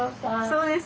そうです。